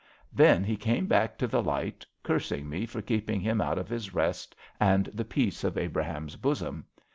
Then he came back to the light, cursing me for keeping him out of his rest and the peace of Abraham's bosom.